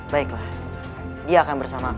baiklah dia akan bersama